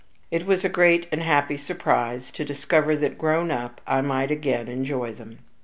It was a great and happy surprise to discover that, grown up, I might again enjoy them.